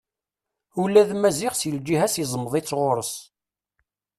Ula d Maziɣ s lǧiha-s izmeḍ-itt ɣur-s.